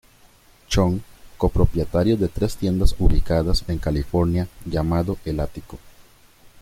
Chon co-propietario de tres tiendas ubicadas en California llamado el ático.